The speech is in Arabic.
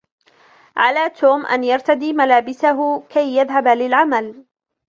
على توم أن يرتدي ملابسه كي يذهب للعمل.